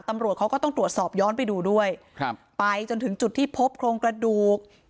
ตำรวจเขาก็ต้องตรวจสอบย้อนไปดูด้วยครับไปจนถึงจุดที่พบโครงกระดูก